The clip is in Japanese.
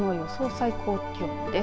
最高気温です。